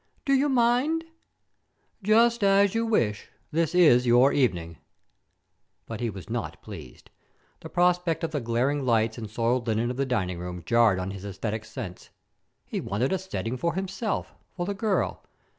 "Do you mind?" "Just as you wish. This is your evening." But he was not pleased. The prospect of the glaring lights and soiled linen of the dining room jarred on his aesthetic sense. He wanted a setting for himself, for the girl.